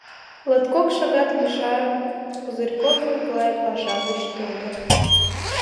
Латкок шагат лишан Пузырьков Миклай паша гыч тольо.